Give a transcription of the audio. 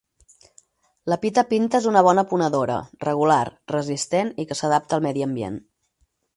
La Pita Pinta és una bona ponedora, regular, resistent i que s'adapta al medi ambient.